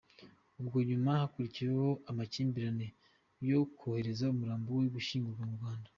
Ubwo nyuma hakurikiraho amakimbirane yo kwohereza umurambo we gushyingurwa mu Rwanda.